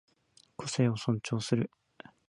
コーヒーの湯気が心を落ち着かせる。